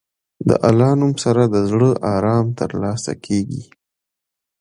د الله نوم سره د زړه ارام ترلاسه کېږي.